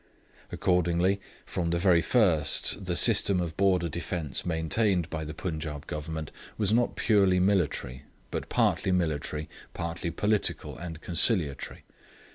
'Accordingly, from the very first, the system of border defence maintained by the Punjaub Government was not purely military, but partly military, partly political and conciliatory.